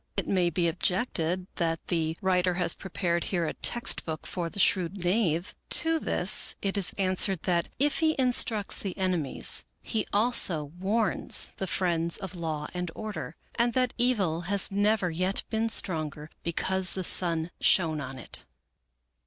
It may be objected that the writer has prepared here a text book for the shrewd knave. To this it is answered that, if he instructs the enemies, he also warns the friends of law and order; and that Evil has never yet been stronger because the sun shone on it.